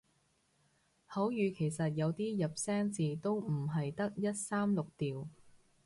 口語其實有啲入聲字都唔係得一三六調